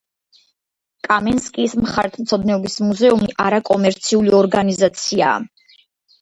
კამენსკის მხარეთმცოდნეობის მუზეუმი არაკომერციული ორგანიზაციაა.